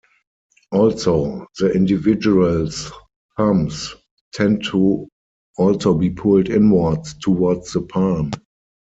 Also, the individual's thumbs tend to also be pulled inwards towards the palm.